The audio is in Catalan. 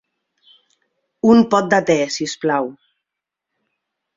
Un pot de te, si us plau.